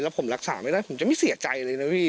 ผมรักษาไม่ได้ผมจะไม่เสียใจเลยนะพี่